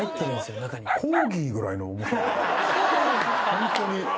ホントに。